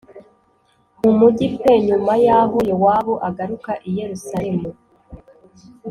mu mugi p nyuma yaho yowabu agaruka i yerusalemu